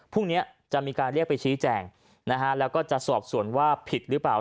พรุ่งนี้จะมีการเรียกไปชี้แจงนะฮะแล้วก็จะสอบส่วนว่าผิดหรือเปล่า